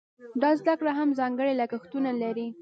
دا زده کړه هم ځانګړي لګښتونه لري.